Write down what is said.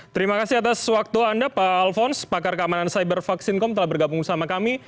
terima kasih atas waktu anda pak alfons pakar keamanan cyber vaksin com telah bergabung bersama kami